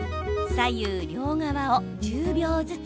左右両側を１０秒ずつ。